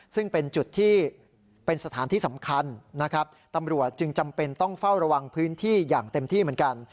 ซึ่งเป็นจุดที่เป็นสถานที่สำคัญนะครับตำรวจจึงจำเป็นต้องเฝ้าระวังพื้นที่อย่างเต็มที่เหมือนกัน